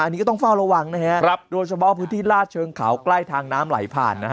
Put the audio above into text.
อันนี้ก็ต้องเฝ้าระวังนะฮะโดยเฉพาะพื้นที่ลาดเชิงเขาใกล้ทางน้ำไหลผ่านนะฮะ